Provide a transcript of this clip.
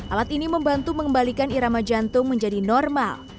alat ini membantu mengembalikan irama jantung menjadi normal